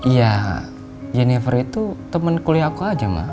ya jennifer itu teman kuliah aku aja ma